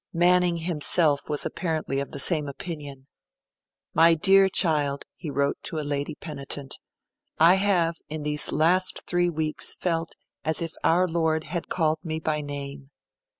Manning himself was apparently of the same opinion. 'My dear Child,' he wrote to a lady penitent, 'I have in these last three weeks felt as if our Lord had called me by name.